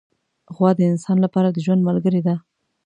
غوا د انسان لپاره د ژوند ملګرې ده.